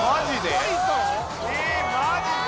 えマジで？